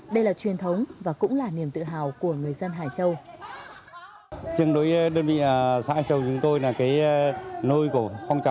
đây là truyền thống